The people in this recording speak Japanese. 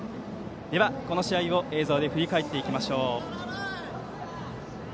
では、この試合を映像で振り返りましょう。